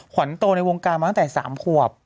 ขวัญโตในวงการมาตั้งแต่๓ขวบ